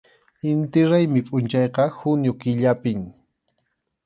Inti raymi pʼunchawqa junio killapim.